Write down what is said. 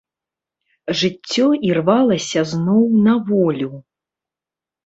Жыццё ірвалася зноў на волю.